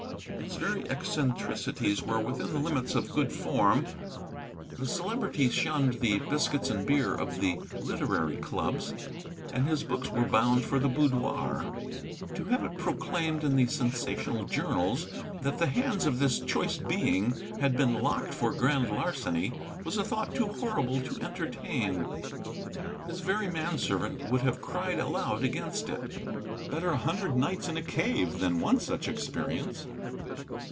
Its very eccentricities were within the limits of good form. The Celebrity shunned the biscuits and beer of the literary clubs, and his books were bound for the boudoir. To have it proclaimed in the sensational journals that the hands of this choice being had been locked for grand larceny was a thought too horrible to entertain. His very manservant would have cried aloud against it. Better a hundred nights in a cave than one such experience!